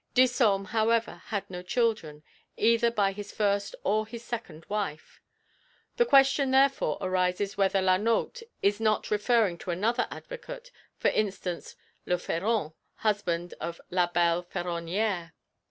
Disome, however, had no children either by his first or his second wife. The question therefore arises whether La Nauthe is not referring to another advocate, for instance Le Féron, husband of La belle Féronnière.